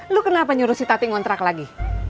lu kenapa nyuruh si tati ngontrak lagi